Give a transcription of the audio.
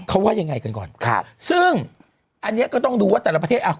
เขาว่ายังไงกันก่อนครับซึ่งอันนี้ก็ต้องดูว่าแต่ละประเทศอ่ะ